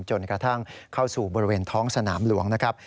จนกระทั่งเข้าสู่บริเวณท้องสนามหลวงนะครับ